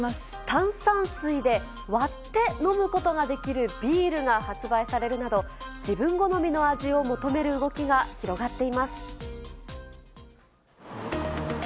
炭酸水で割って飲むことができるビールが発売されるなど、自分好みの味を求める動きが広がっています。